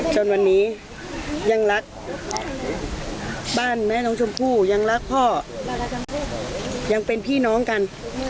จนวันนี้ยังรักบ้านแม่น้องชมพู่ยังรักพ่อยังเป็นพี่น้องกัน